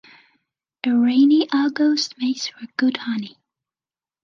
A rainy August makes for good honey.